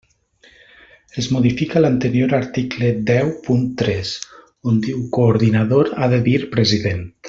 Es modifica l'anterior article deu punt tres: on diu coordinador ha de dir president.